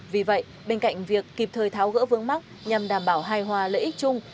vì vậy bên cạnh việc kịp thời tháo gỡ vướng mắt nhằm đảm bảo hài hòa lợi ích chung